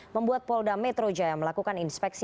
membuat polda metro jaya melakukan inspeksi